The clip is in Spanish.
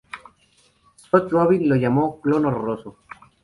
Scott Rubin lo llamó "clon horroroso".